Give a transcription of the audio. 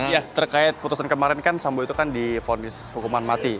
ya terkait putusan kemarin kan sambo itu kan difonis hukuman mati